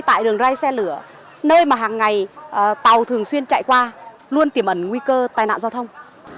tại đường ray xe lửa nơi mà hàng ngày tàu thường xuyên chạy qua luôn tiềm ẩn nguy cơ tai nạn giao thông